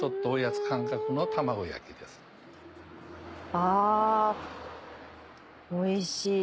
あおいしい。